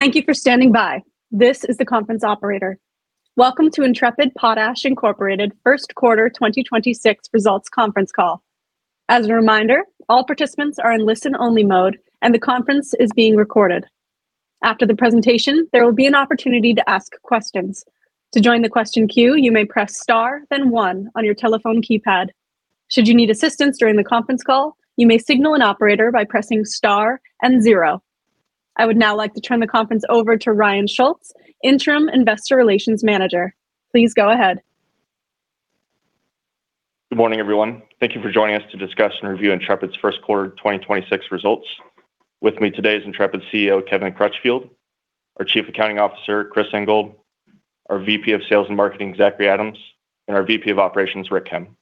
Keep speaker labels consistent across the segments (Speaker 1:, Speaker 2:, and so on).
Speaker 1: Thank you for standing by. This is the conference operator. Welcome to Intrepid Potash Incorporated Q1 2026 Results Conference Call. As a reminder, all participants are in listen-only mode, and the conference is being recorded. After the presentation, there will be an opportunity to ask questions. To join the question queue, you may press star, then one on your telephone keypad. Should you need assistance during the conference call, you may signal an operator by pressing star and zero. I would now like to turn the conference over to Ryan Schultz, Interim Investor Relations Manager. Please go ahead.
Speaker 2: Good morning, everyone. Thank you for joining us to discuss and review Intrepid's Q1 2026 results. With me today is Intrepid's CEO, Kevin Crutchfield, our Chief Accounting Officer, Cris Ingold, our VP of Sales and Marketing, Zachry Adams, and our VP of Operations, Rick Kim.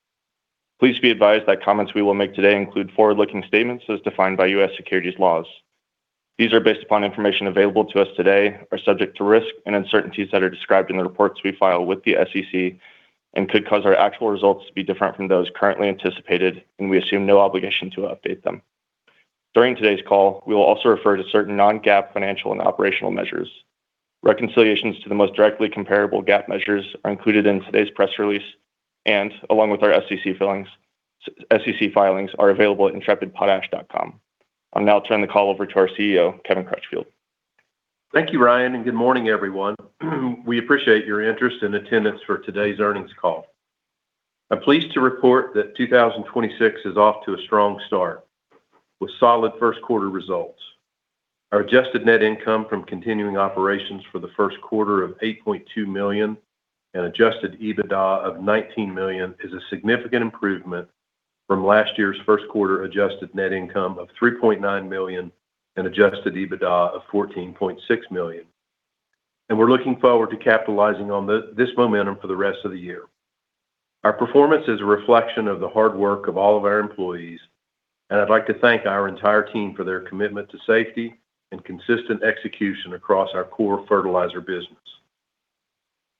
Speaker 2: Please be advised that comments we will make today include forward-looking statements as defined by U.S. securities laws. These are based upon information available to us today, are subject to risk and uncertainties that are described in the reports we file with the SEC, and could cause our actual results to be different from those currently anticipated, and we assume no obligation to update them. During today's call, we will also refer to certain non-GAAP financial and operational measures. Reconciliations to the most directly comparable GAAP measures are included in today's press release and along with our SEC filings are available at intrepidpotash.com. I'll now turn the call over to our CEO, Kevin Crutchfield.
Speaker 3: Thank you, Ryan. Good morning, everyone. We appreciate your interest and attendance for today's earnings call. I'm pleased to report that 2026 is off to a strong start with solid Q1 results. Our adjusted net income from continuing operations for the first quarter of $8.2 million and adjusted EBITDA of $19 million is a significant improvement from last year's Q1 adjusted net income of $3.9 million and adjusted EBITDA of $14.6 million. We're looking forward to capitalizing on this momentum for the rest of the year. Our performance is a reflection of the hard work of all of our employees, and I'd like to thank our entire team for their commitment to safety and consistent execution across our core fertilizer business.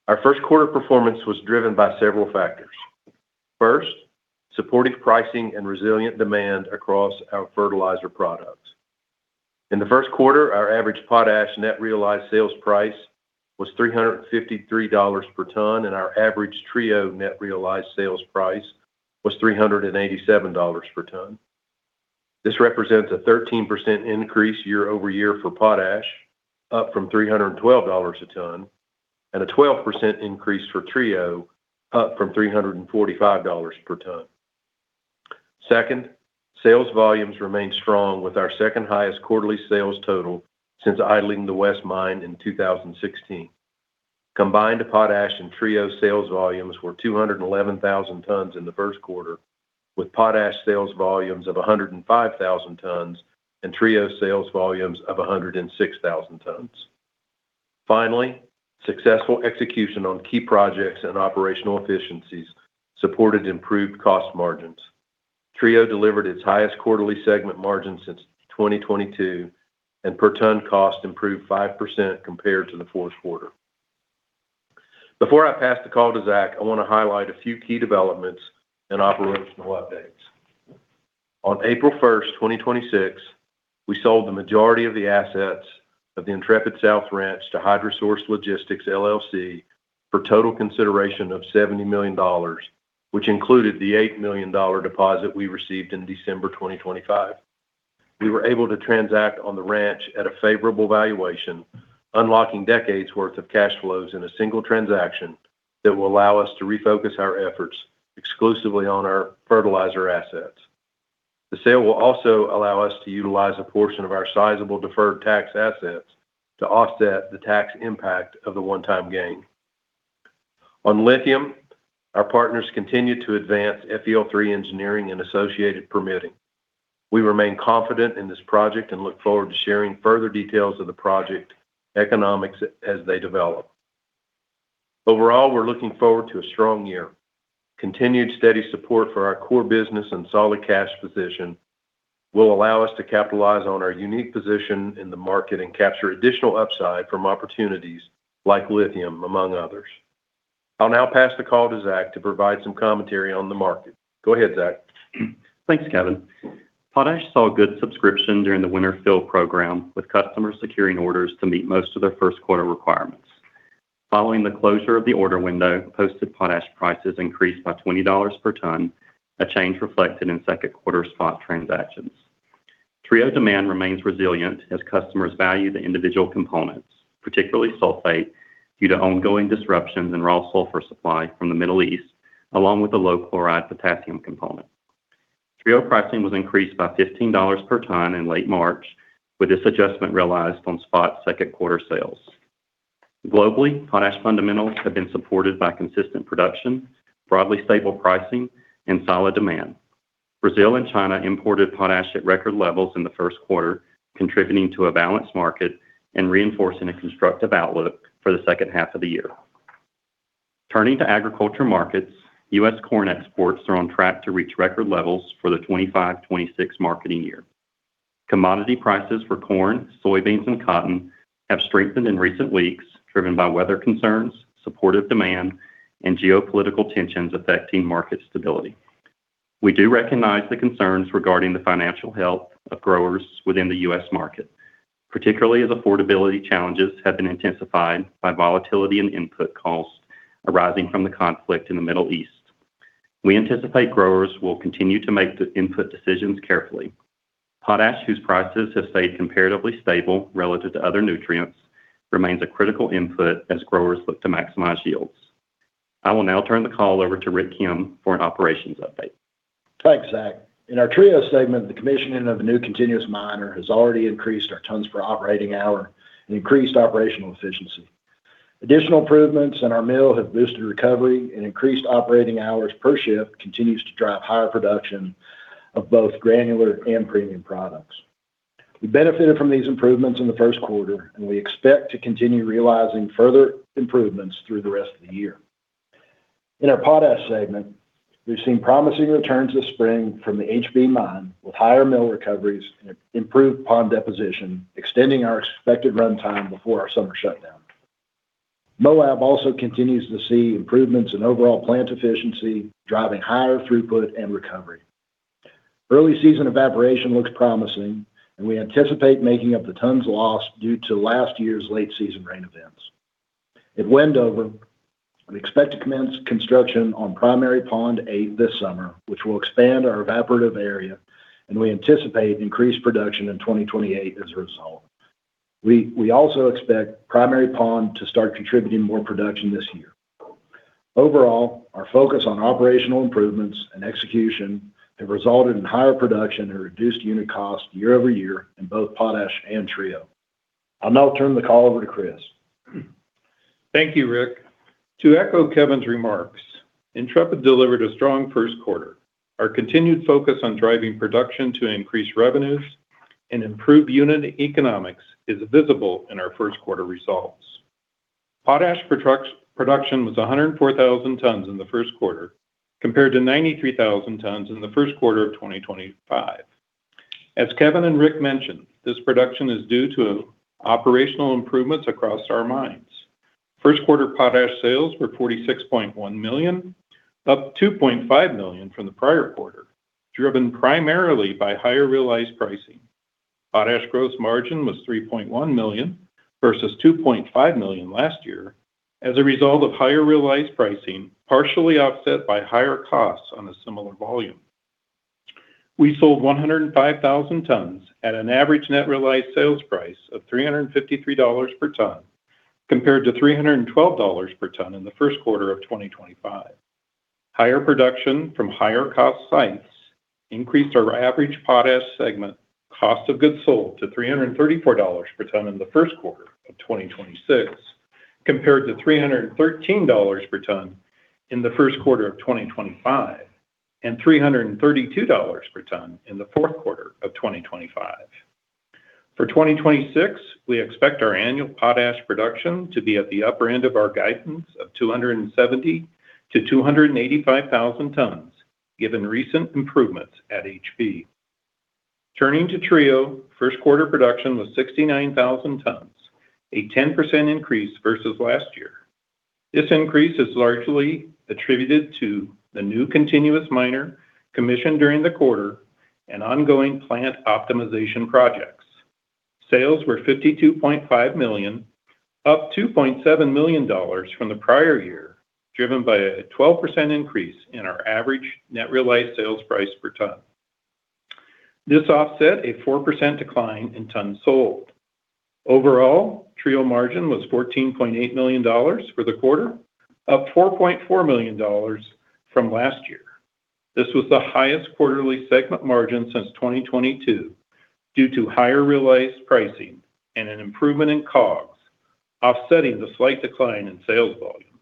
Speaker 3: Our Q1 performance was driven by several factors. First, supportive pricing and resilient demand across our fertilizer products. In the Q1, our average potash net realized sales price was $353 per ton, and our average Trio net realized sales price was $387 per ton. This represents a 13% increase year-over-year for potash, up from $312 a ton, and a 12% increase for Trio, up from $345 per ton. Second, sales volumes remain strong with our second highest quarterly sales total since idling the West Mine in 2016. Combined potash and Trio sales volumes were 211,000 tons in the Q1, with potash sales volumes of 105,000 tons and Trio sales volumes of 106,000 tons. Finally, successful execution on key projects and operational efficiencies supported improved cost margins. Trio delivered its highest quarterly segment margin since 2022, and per ton cost improved 5% compared to the Q1. Before I pass the call to Zach Adams, I wanna highlight a few key developments and operational updates. On April 1, 2026, we sold the majority of the assets of the Intrepid South Ranch to HydroSource Logistics, LLC for total consideration of $70 million, which included the $8 million deposit we received in December 2025. We were able to transact on the ranch at a favorable valuation, unlocking decades worth of cash flows in a single transaction that will allow us to refocus our efforts exclusively on our fertilizer assets. The sale will also allow us to utilize a portion of our sizable deferred tax assets to offset the tax impact of the one-time gain. On lithium, our partners continue to advance FEL-3 engineering and associated permitting. We remain confident in this project and look forward to sharing further details of the project economics as they develop. Overall, we're looking forward to a strong year. Continued steady support for our core business and solid cash position will allow us to capitalize on our unique position in the market and capture additional upside from opportunities like lithium, among others. I'll now pass the call to Zach to provide some commentary on the market. Go ahead, Zach.
Speaker 4: Thanks, Kevin. Potash saw good subscription during the winter fill program, with customers securing orders to meet most of their Q1 requirements. Following the closure of the order window, posted potash prices increased by $20 per ton, a change reflected in Q2 spot transactions. Trio demand remains resilient as customers value the individual components, particularly sulfate, due to ongoing disruptions in raw sulfur supply from the Middle East, along with the low chloride potassium component. Trio pricing was increased by $15 per ton in late March, with this adjustment realized on spot Q2 sales. Globally, potash fundamentals have been supported by consistent production, broadly stable pricing, and solid demand. Brazil and China imported potash at record levels in the Q1, contributing to a balanced market and reinforcing a constructive outlook for the second half of the year. Turning to agriculture markets, U.S. corn exports are on track to reach record levels for the 2025, 2026 marketing year. Commodity prices for corn, soybeans, and cotton have strengthened in recent weeks driven by weather concerns, supportive demand, and geopolitical tensions affecting market stability. We do recognize the concerns regarding the financial health of growers within the U.S. market, particularly as affordability challenges have been intensified by volatility in input costs arising from the conflict in the Middle East. We anticipate growers will continue to make the input decisions carefully. Potash, whose prices have stayed comparatively stable relative to other nutrients, remains a critical input as growers look to maximize yields. I will now turn the call over to Rick Kim for an operations update.
Speaker 5: Thanks, Zach. In our Trio segment, the commissioning of a new continuous miner has already increased our tons per operating hour and increased operational efficiency. Additional improvements in our mill have boosted recovery and increased operating hours per shift continues to drive higher production of both granular and premium products. We benefited from these improvements in the Q1, and we expect to continue realizing further improvements through the rest of the year. In our Potash segment, we've seen promising returns this spring from the HB Mine, with higher mill recoveries and improved pond deposition, extending our expected runtime before our summer shutdown. Moab also continues to see improvements in overall plant efficiency, driving higher throughput and recovery. Early season evaporation looks promising, and we anticipate making up the tons lost due to last year's late season rain events. At Wendover, we expect to commence construction on Primary Pond 8 this summer, which will expand our evaporative area, and we anticipate increased production in 2028 as a result. We also expect Primary Pond to start contributing more production this year. Overall, our focus on operational improvements and execution have resulted in higher production and reduced unit cost year-over-year in both potash and Trio. I'll now turn the call over to Cris.
Speaker 6: Thank you, Rick. To echo Kevin's remarks, Intrepid delivered a strong Q1. Our continued focus on driving production to increase revenues and improve unit economics is visible in our Q1 results. Potash production was 104,000 tons in the Q1, compared to 93,000 tons in the Q1 of 2025. As Kevin and Rick mentioned, this production is due to operational improvements across our mines. Q1 potash sales were $46.1 million, up $2.5 million from the prior quarter, driven primarily by higher realized pricing. Potash gross margin was $3.1 million versus $2.5 million last year as a result of higher realized pricing, partially offset by higher costs on a similar volume. We sold 105,000 tons at an average net realized sales price of $353 per ton, compared to $312 per ton in the Q1 of 2025. Higher production from higher cost sites increased our average potash segment cost of goods sold to $334 per ton in the Q1 of 2026, compared to $313 per ton in the Q1 of 2025, and $332 per ton in the Q4 of 2025. For 2026, we expect our annual potash production to be at the upper end of our guidance of 270,000-285,000 tons, given recent improvements at HB. Turning to Trio, Q1 production was 69,000 tons, a 10% increase versus last year. This increase is largely attributed to the new continuous miner commissioned during the quarter and ongoing plant optimization projects. Sales were $52.5 million, up $2.7 million from the prior year, driven by a 12% increase in our average net realized sales price per ton. This offset a 4% decline in tons sold. Overall, Trio margin was $14.8 million for the quarter, up $4.4 million from last year. This was the highest quarterly segment margin since 2022 due to higher realized pricing and an improvement in COGS, offsetting the slight decline in sales volume.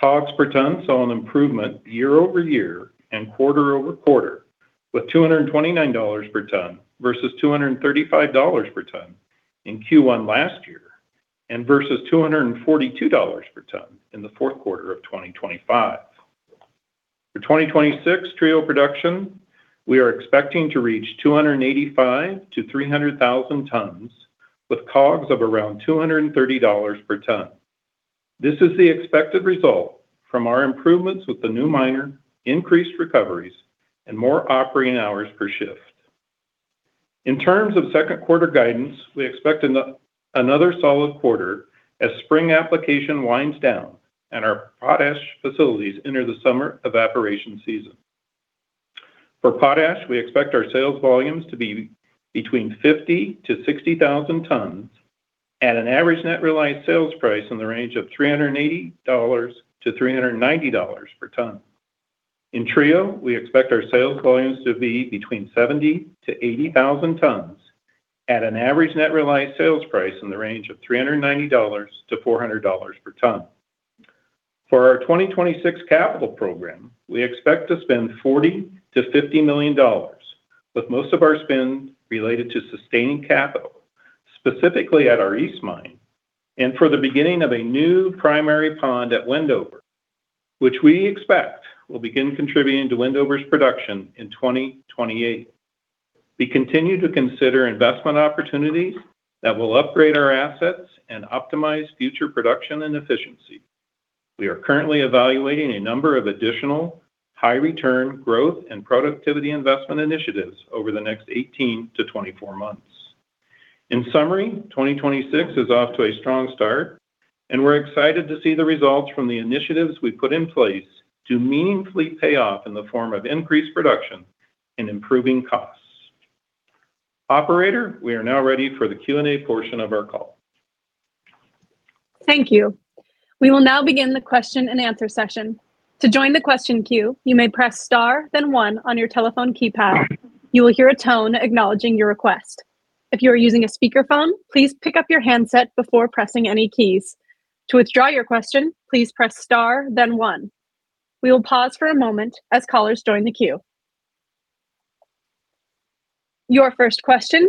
Speaker 6: COGS per ton saw an improvement year-over-year and quarter-over-quarter, with $229 per ton versus $235 per ton in Q1 last year and versus $242 per ton in the fourth quarter of 2025. 2026 Trio production, we are expecting to reach 285,000 tons-300,000 tons with COGS of around $230 per ton. This is the expected result from our improvements with the new miner, increased recoveries, and more operating hours per shift. In terms of Q2 guidance, we expect another solid quarter as spring application winds down and our potash facilities enter the summer evaporation season. For potash, we expect our sales volumes to be between 50,000 tons-60,000 tons at an average net realized sales price in the range of $380-$390 per ton. In Trio, we expect our sales volumes to be between 70,000 tons-80,000 tons at an average net realized sales price in the range of $390-$400 per ton. For our 2026 capital program, we expect to spend $40 million-$50 million, with most of our spend related to sustaining capital, specifically at our East Mine, and for the beginning of a new Primary Pond at Wendover, which we expect will begin contributing to Wendover's production in 2028. We continue to consider investment opportunities that will upgrade our assets and optimize future production and efficiency. We are currently evaluating a number of additional high return growth and productivity investment initiatives over the next 18 months-24 months. In summary, 2026 is off to a strong start, and we're excited to see the results from the initiatives we put in place to meaningfully pay off in the form of increased production and improving costs. Operator, we are now ready for the Q&A portion of our call.
Speaker 1: Thank you. We will now begin the question and answer session. Your first question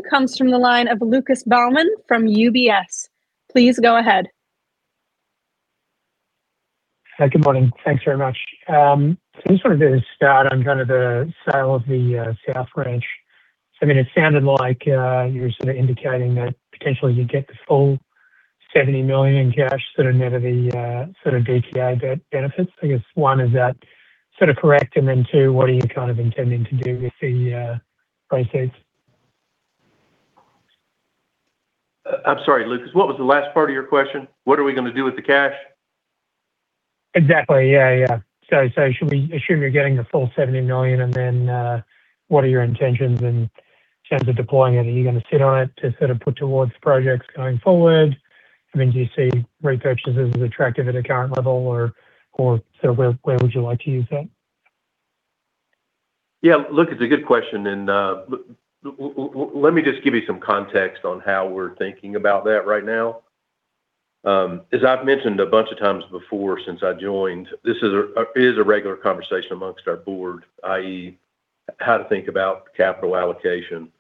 Speaker 1: comes from the line of Lucas Beaumont from UBS. Please go ahead.
Speaker 7: Hi. Good morning. Thanks very much. Just wanted to start on kind of the sale of the South Ranch. I mean, it sounded like you were sort of indicating that potentially you'd get the full $70 million in cash sort of net of the sort of DTA benefits. I guess, one, is that sort of correct? Two, what are you kind of intending to do with the proceeds?
Speaker 3: I'm sorry, Lucas, what was the last part of your question? What are we gonna do with the cash?
Speaker 7: Exactly. Yeah. Should we assume you're getting the full $70 million, and then, what are your intentions in terms of deploying it? Are you gonna sit on it to sort of put towards projects going forward? I mean, do you see repurchases as attractive at a current level, or so where would you like to use that?
Speaker 3: Yeah, look, it's a good question. Let me just give you some context on how we're thinking about that right now. As I've mentioned a bunch of times before since I joined, this is a regular conversation amongst our board, i.e., how to think about capital allocation.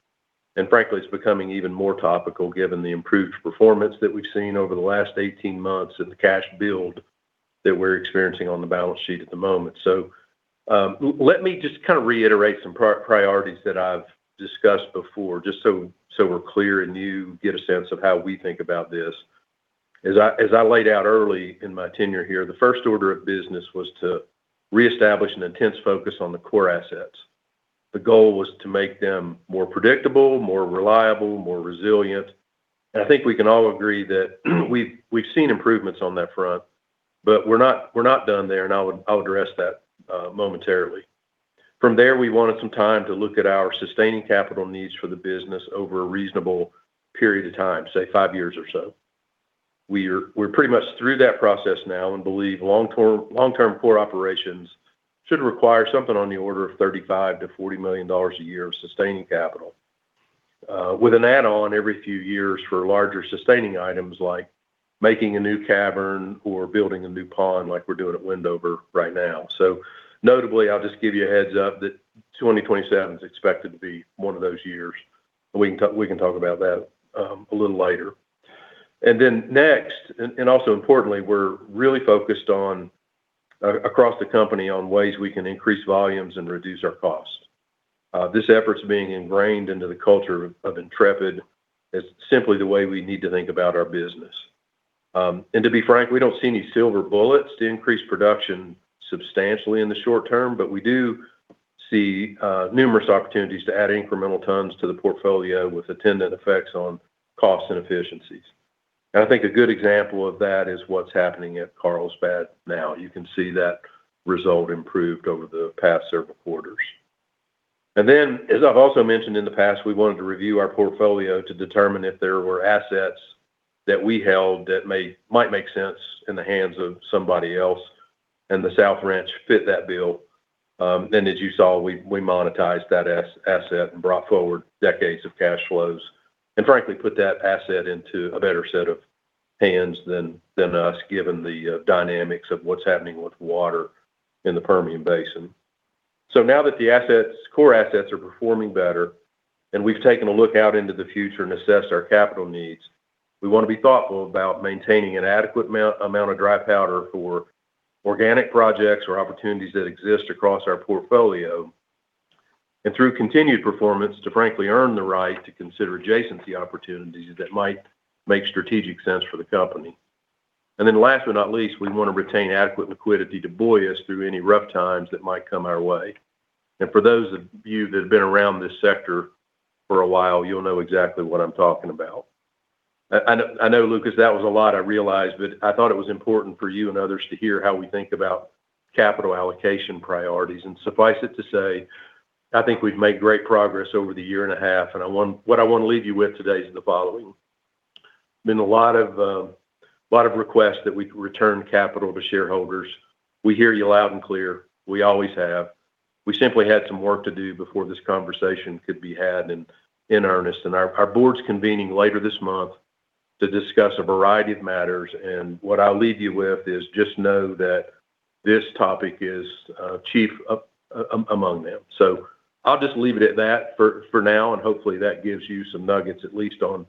Speaker 3: Frankly, it's becoming even more topical given the improved performance that we've seen over the last 18 months and the cash build that we're experiencing on the balance sheet at the moment. Let me just kind of reiterate some priorities that I've discussed before just so we're clear and you get a sense of how we think about this. As I laid out early in my tenure here, the 1st order of business was to reestablish an intense focus on the core assets. The goal was to make them more predictable, more reliable, more resilient. I think we can all agree that we've seen improvements on that front, but we're not done there, and I'll address that momentarily. From there, we wanted some time to look at our sustaining capital needs for the business over a reasonable period of time, say five years or so. We're pretty much through that process now and believe long-term core operations should require something on the order of $35 million-$40 million a year of sustaining capital with an add on every few years for larger sustaining items like making a new cavern or building a new pond like we're doing at Wendover right now. Notably, I'll just give you a heads up that 2027 is expected to be one of those years. We can talk about that a little later. Next, and also importantly, we're really focused on across the company on ways we can increase volumes and reduce our costs. This effort's being ingrained into the culture of Intrepid as simply the way we need to think about our business. To be frank, we don't see any silver bullets to increase production substantially in the short term, but we do see numerous opportunities to add incremental tons to the portfolio with attendant effects on costs and efficiencies. I think a good example of that is what's happening at Carlsbad now. You can see that result improved over the past several quarters. As I've also mentioned in the past, we wanted to review our portfolio to determine if there were assets that we held that might make sense in the hands of somebody else, and the South Ranch fit that bill. As you saw, we monetized that asset and brought forward decades of cash flows and frankly put that asset into a better set of hands than us, given the dynamics of what's happening with water in the Permian Basin. Now that the assets, core assets are performing better and we've taken a look out into the future and assessed our capital needs, we wanna be thoughtful about maintaining an adequate amount of dry powder for organic projects or opportunities that exist across our portfolio, and through continued performance to frankly earn the right to consider adjacency opportunities that might make strategic sense for the company. Last but not least, we wanna retain adequate liquidity to buoy us through any rough times that might come our way. For those of you that have been around this sector for a while, you'll know exactly what I'm talking about. I know, I know, Lucas, that was a lot, I realize, but I thought it was important for you and others to hear how we think about capital allocation priorities. Suffice it to say, I think we've made great progress over the year and a half, what I want to leave you with today is the following. Been a lot of requests that we return capital to shareholders. We hear you loud and clear. We always have. We simply had some work to do before this conversation could be had in earnest. Our board's convening later this month to discuss a variety of matters. What I'll leave you with is just know that this topic is chief among them. I'll just leave it at that for now, and hopefully, that gives you some nuggets at least on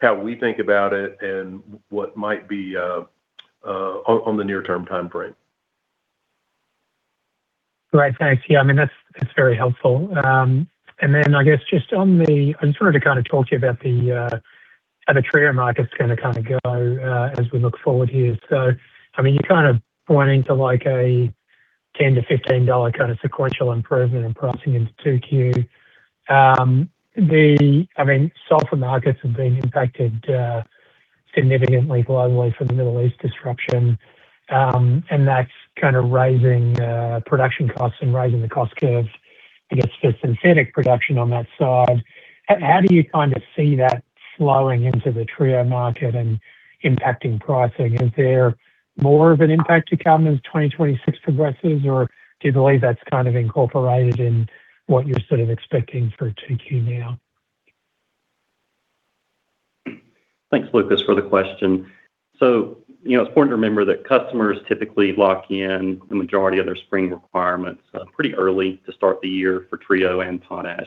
Speaker 3: how we think about it and what might be on the near-term timeframe.
Speaker 7: Great. Thanks. I mean, that's very helpful. Then I guess just on the- I'm just wanted to kind of talk to you about the, how the Trio market's gonna kinda go, as we look forward here. I mean, you kind of point to like a $10-$15 kind of sequential improvement in pricing into Q2. The, I mean, sulfur markets have been impacted significantly globally from the Middle East disruption, that's kind of raising production costs and raising the cost curves against the synthetic production on that side. How do you kind of see that flowing into the Trio market and impacting pricing? Is there more of an impact to come as 2026 progresses, or do you believe that's kind of incorporated in what you're sort of expecting for Q2 now?
Speaker 4: Thanks, Lucas, for the question. You know, it's important to remember that customers typically lock in the majority of their spring requirements pretty early to start the year for Trio and potash.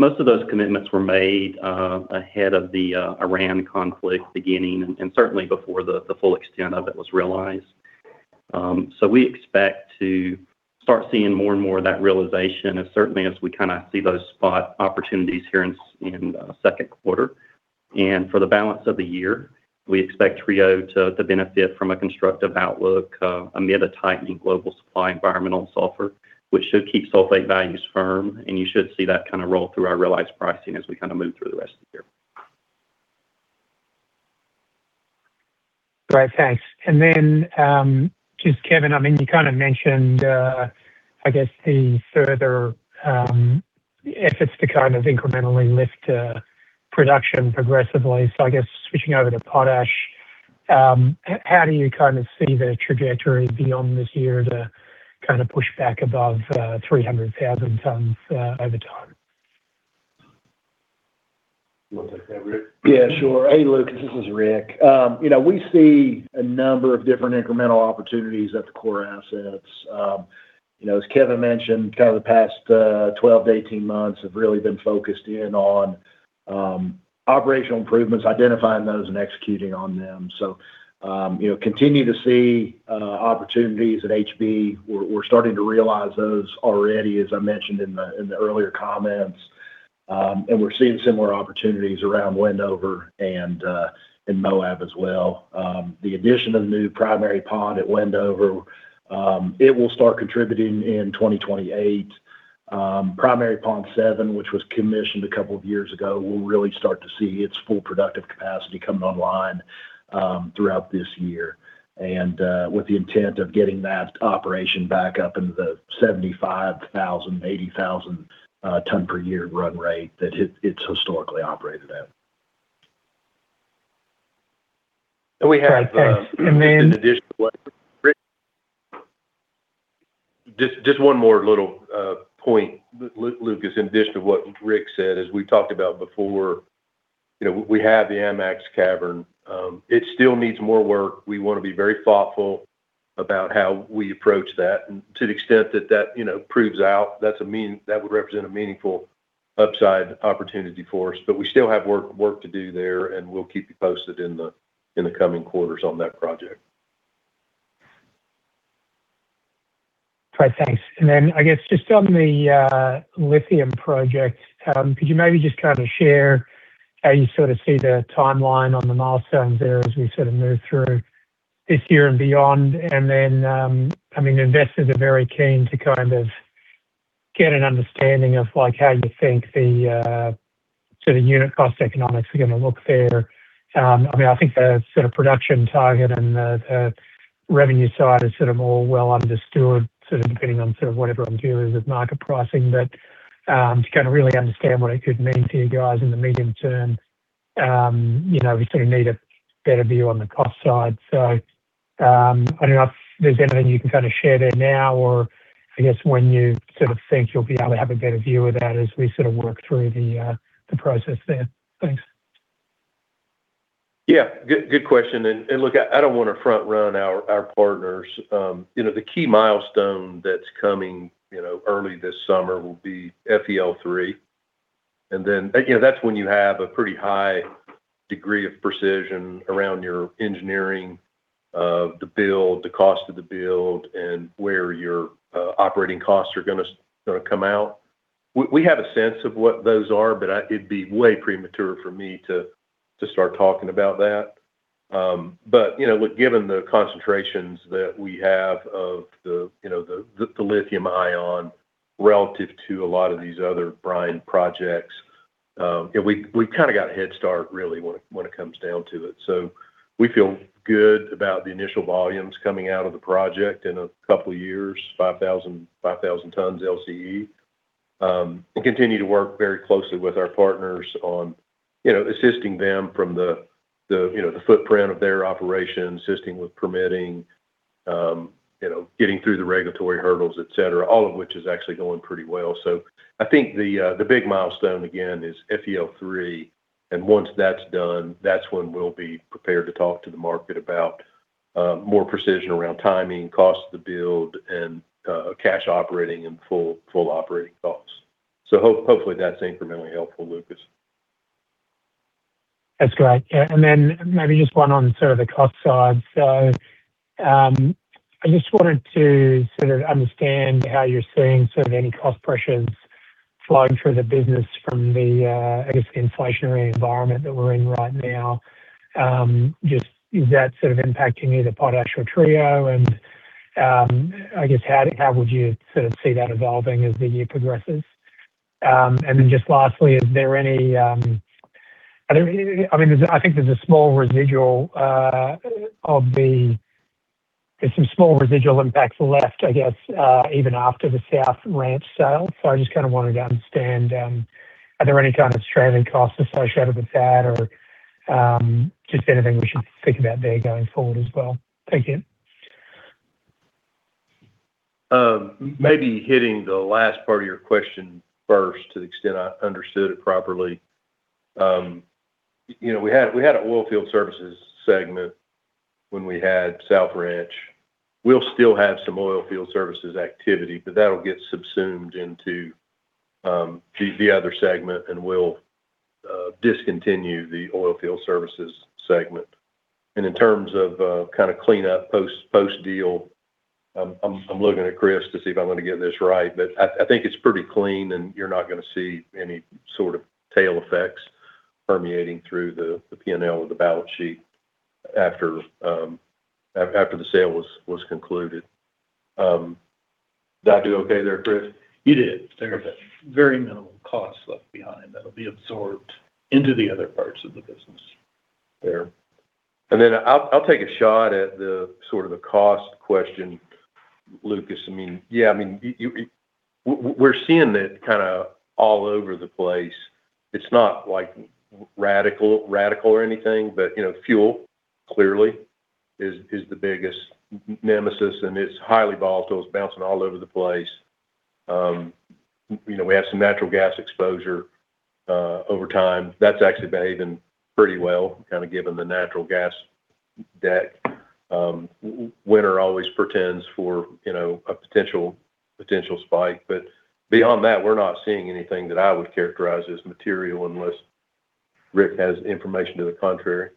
Speaker 4: Most of those commitments were made ahead of the Iran conflict beginning, and certainly before the full extent of it was realized. We expect to start seeing more and more of that realization and certainly as we kinda see those spot opportunities here in Q2. For the balance of the year, we expect Trio to benefit from a constructive outlook amid a tightening global supply environment on sulfur, which should keep sulfate values firm. You should see that kind of roll through our realized pricing as we kinda move through the rest of the year.
Speaker 7: Great. Thanks. Just Kevin, I mean, you kinda mentioned, I guess the further efforts to kind of incrementally lift production progressively. I guess switching over to potash, how do you kind of see the trajectory beyond this year to kind of push back above 300,000 tons over time?
Speaker 3: You wanna take that, Rick?
Speaker 5: Yeah, sure. Hey, Lucas, this is Rick. You know, we see a number of different incremental opportunities at the core assets. You know, as Kevin mentioned, kind of the past 12-18 months have really been focused in on operational improvements, identifying those and executing on them. You know, continue to see opportunities at HB. We're starting to realize those already, as I mentioned in the earlier comments. We're seeing similar opportunities around Wendover and in Moab as well. The addition of the new primary pond at Wendover, it will start contributing in 2028. Primary Pond 7, which was commissioned a couple of years ago, will really start to see its full productive capacity coming online throughout this year. With the intent of getting that operation back up into the 75,000 to-80,000 ton per year run rate that it's historically operated at.
Speaker 3: We have,
Speaker 7: Great. Thanks.
Speaker 3: In addition to what Rick, just one more little point, Lucas, in addition to what Rick said, as we talked about before, you know, we have the AMAX cavern. It still needs more work. We wanna be very thoughtful about how we approach that. And to the extent that that, you know, proves out, that would represent a meaningful upside opportunity for us. But we still have work to do there, and we'll keep you posted in the coming quarters on that project.
Speaker 7: Great. Thanks. I guess just on the lithium project, could you maybe just kind of share how you sort of see the timeline on the milestones there as we sort of move through this year and beyond? I mean, investors are very keen to kind of get an understanding of like how you think the sort of unit cost economics are gonna look there. I mean, I think the sort of production target and the revenue side is sort of all well understood, sort of depending on sort of whatever material is with market pricing. To kind of really understand what it could mean to you guys in the medium term, you know, we sort of need a better view on the cost side. I don't know if there's anything you can kind of share there now or I guess when you sort of think you'll be able to have a better view of that as we sort of work through the process there. Thanks.
Speaker 3: Yeah. Good question. Look, I don't want to front run our partners. You know, the key milestone that is coming, you know, early this summer will be FEL-3. Then, you know, that is when you have a pretty high degree of precision around your engineering of the build, the cost of the build, and where your operating costs are going to come out. We have a sense of what those are, but it would be way premature for me to start talking about that. You know, given the concentrations that we have of the, you know, the lithium ion relative to a lot of these other brine projects, you know, we have kind of got a head start really when it comes down to it. We feel good about the initial volumes coming out of the project in a couple of years, 5,000 tons LCE. And continue to work very closely with our partners on, you know, assisting them from the, you know, the footprint of their operations, assisting with permitting, you know, getting through the regulatory hurdles, et cetera, all of which is actually going pretty well. I think the big milestone again is FEL-3, and once that's done, that's when we'll be prepared to talk to the market about more precision around timing, cost of the build, and cash operating and full operating costs. Hopefully that's incrementally helpful, Lucas.
Speaker 7: That's great. Maybe just one on sort of the cost side. I just wanted to sort of understand how you're seeing sort of any cost pressures flowing through the business from the, I guess the inflationary environment that we're in right now. Just is that sort of impacting either potash or Trio? I guess, how would you sort of see that evolving as the year progresses? Just lastly, is there any I mean, I think there's a small residual of some small residual impacts left, I guess, even after the South Ranch sale. I just kind of wanted to understand, are there any kind of stranded costs associated with that? Or, just anything we should think about there going forward as well? Thank you.
Speaker 3: Maybe hitting the last part of your question first to the extent I understood it properly. You know, we had a oilfield services segment when we had South Ranch. We'll still have some oilfield services activity, but that'll get subsumed into the other segment, and we'll discontinue the oilfield services segment. In terms of kinda cleanup post-deal, I'm looking at Cris to see if I'm gonna get this right. I think it's pretty clean, and you're not gonna see any sort of tail effects permeating through the P&L or the balance sheet after the sale was concluded. Did I do okay there, Cris?
Speaker 6: You did. Okay. There are very minimal costs left behind that'll be absorbed into the other parts of the business.
Speaker 3: Fair. Then I'll take a shot at the sort of the cost question, Lucas. I mean, yeah, I mean, we're seeing that kinda all over the place. It's not, like, radical or anything, but, you know, fuel clearly is the biggest nemesis, and it's highly volatile. It's bouncing all over the place. You know, we have some natural gas exposure over time. That's actually behaving pretty well kinda given the natural gas debt. Winter always portends for, you know, a potential spike. Beyond that, we're not seeing anything that I would characterize as material, unless Rick Kim has information to the contrary.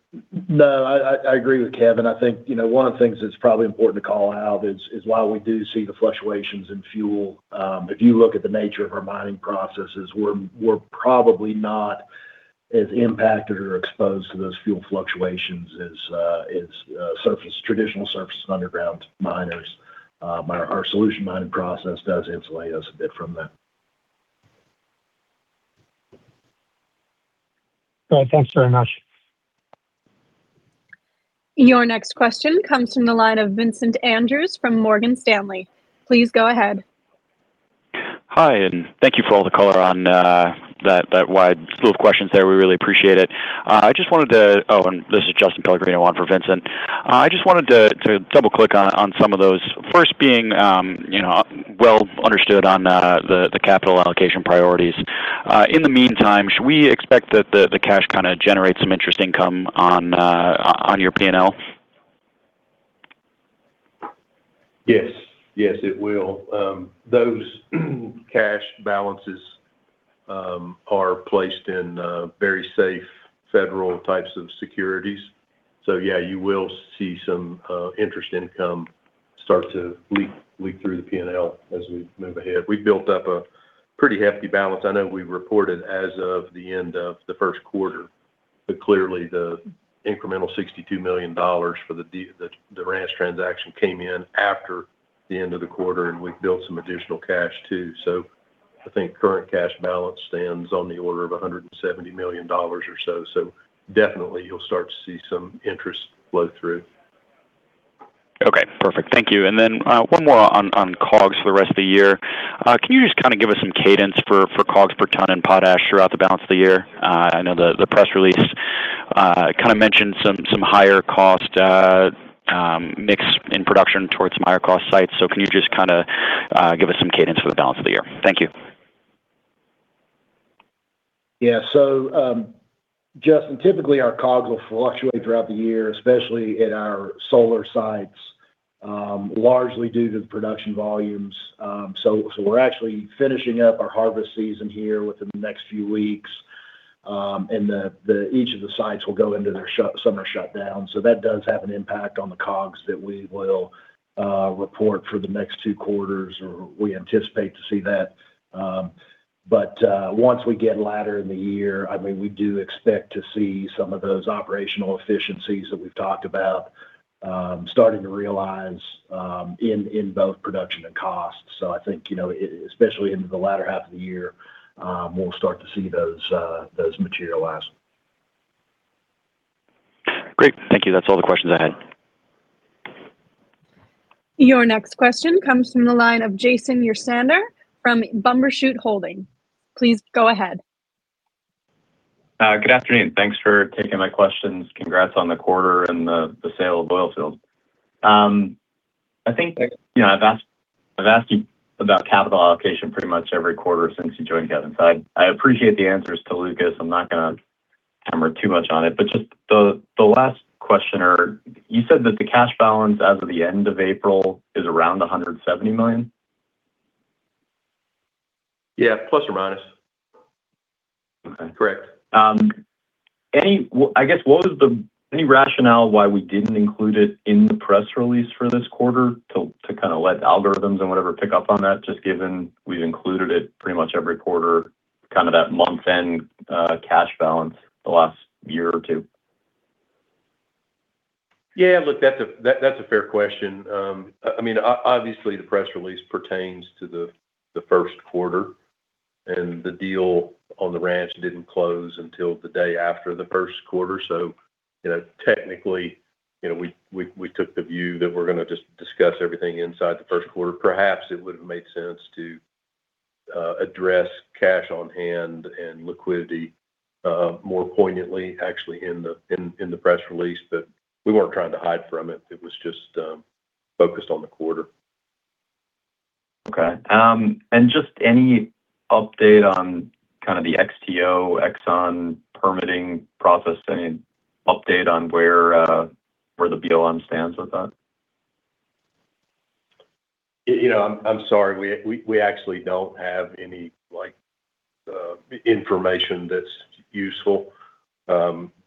Speaker 5: No, I agree with Kevin. I think, you know, one of the things that's probably important to call out is while we do see the fluctuations in fuel, if you look at the nature of our mining processes, we're probably not as impacted or exposed to those fuel fluctuations as surface, traditional surface and underground miners. Our solution mining process does insulate us a bit from that.
Speaker 7: All right. Thanks very much.
Speaker 1: Your next question comes from the line of Vincent Andrews from Morgan Stanley. Please go ahead.
Speaker 8: Hi, thank you for all the color on that wide slew of questions there. We really appreciate it. Oh, and this is Justin Pellegrino on for Vincent. I just wanted to double-click on some of those. First being, you know, well understood on the capital allocation priorities. In the meantime, should we expect the cash kinda generate some interest income on your P&L?
Speaker 3: Yes. Yes, it will. Those cash balances are placed in very safe federal types of securities. Yeah, you will see some interest income start to leak through the P&L as we move ahead. We've built up a pretty hefty balance. I know we reported as of the end of the Q1, but clearly the incremental $62 million for the Ranch transaction came in after the end of the quarter, and we've built some additional cash too. I think current cash balance stands on the order of $170 million or so. Definitely you'll start to see some interest flow through.
Speaker 8: Okay. Perfect. Thank you. Then, one more on COGS for the rest of the year. Can you just give us some cadence for COGS per ton in potash throughout the balance of the year? I know the press release mentioned some higher cost mix in production towards some higher cost sites. Can you just give us some cadence for the balance of the year? Thank you.
Speaker 5: Yeah. Justin, typically our COGS will fluctuate throughout the year, especially in our solar sites, largely due to the production volumes. We're actually finishing up our harvest season here within the next few weeks. And the each of the sites will go into their summer shutdown. That does have an impact on the COGS that we will report for the next two quarters, or we anticipate to see that. Once we get later in the year, I mean, we do expect to see some of those operational efficiencies that we've talked about, starting to realize, in both production and cost. I think, you know, especially into the latter half of the year, we'll start to see those materialize.
Speaker 8: Great. Thank you. That's all the questions I had.
Speaker 1: Your next question comes from the line of Jason Ursaner from Bumbershoot Holdings. Please go ahead.
Speaker 9: Good afternoon. Thanks for taking my questions. Congrats on the quarter and the sale of Oilfield. I think, you know, I've asked you about capital allocation pretty much every quarter since you joined Kevin. I appreciate the answers to Lucas. I'm not gonna hammer too much on it. Just the last question or You said that the cash balance as of the end of April is around $170 million?
Speaker 3: Yeah, plus or minus.
Speaker 9: Okay.
Speaker 3: Correct.
Speaker 9: I guess, what is the, any rationale why we didn't include it in the press release for this quarter to kinda let algorithms and whatever pick up on that just given we've included it pretty much every quarter, kind of that month-end cash balance the last year or two?
Speaker 3: Yeah, look, that's a fair question. I mean, obviously the press release pertains to the Q1, and the deal on the ranch didn't close until the day after the Q1. You know, technically, you know, we took the view that we're gonna just discuss everything inside the Q1. Perhaps it would've made sense to address cash on hand and liquidity more poignantly actually in the press release. We weren't trying to hide from it was just focused on the quarter.
Speaker 9: Okay. Just any update on kinda the XTO, Exxon permitting process, any update on where the BLM stands with that?
Speaker 3: You know, I'm sorry. We actually don't have any, like, information that's useful.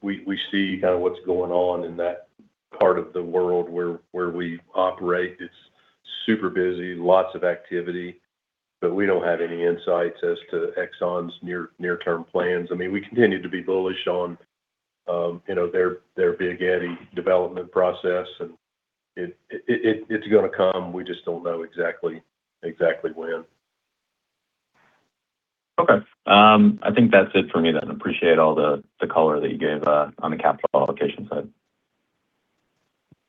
Speaker 3: We see kinda what's going on in that part of the world where we operate. It's super busy, lots of activity, but we don't have any insights as to ExxonMobil's near-term plans. I mean, we continue to be bullish on, you know, their Big Eddy development process, and it's gonna come. We just don't know exactly when.
Speaker 9: Okay. I think that's it for me then. Appreciate all the color that you gave on the capital allocation side.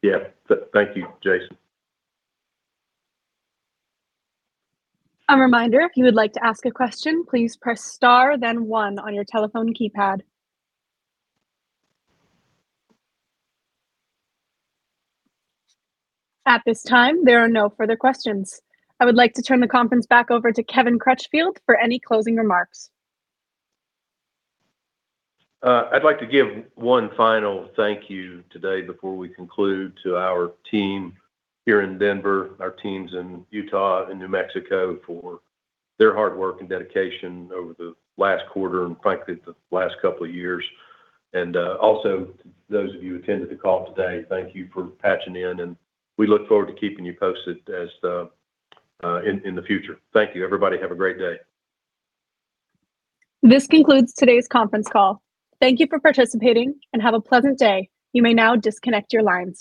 Speaker 3: Yeah. Thank you, Jason.
Speaker 1: A reminder, if you would like to ask a question, please press star then one on your telephone keypad. At this time, there are no further questions. I would like to turn the conference back over to Kevin Crutchfield for any closing remarks.
Speaker 3: I'd like to give one final thank you today before we conclude to our team here in Denver, our teams in Utah and New Mexico for their hard work and dedication over the last quarter and frankly, the last couple of years. Also, those of you who attended the call today, thank you for patching in, and we look forward to keeping you posted as in the future. Thank you, everybody. Have a great day.
Speaker 1: This concludes today's conference call. Thank you for participating, and have a pleasant day. You may now disconnect your lines.